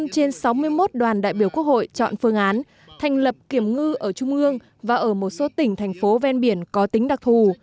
một mươi trên sáu mươi một đoàn đại biểu quốc hội chọn phương án thành lập kiểm ngư ở trung ương và ở một số tỉnh thành phố ven biển có tính đặc thù